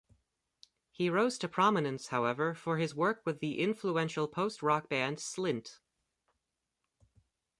He rose to prominence, however, for his work with the influential post-rock band Slint.